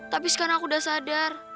tapi sekarang aku udah sadar